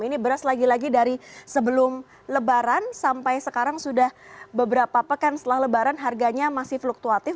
ini beras lagi lagi dari sebelum lebaran sampai sekarang sudah beberapa pekan setelah lebaran harganya masih fluktuatif